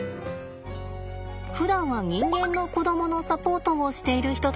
ふだんは人間の子供のサポートをしている人たちです。